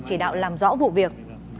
chỉ đạo làm rõ vụ việc